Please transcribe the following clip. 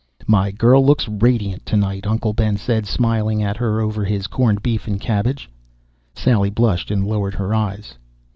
"My girl looks radiant tonight!" Uncle Ben said, smiling at her over his corned beef and cabbage. Sally blushed and lowered her eyes.